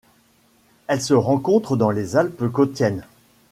Elle se rencontre dans les Alpes cottiennes.